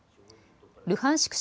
ルハンシク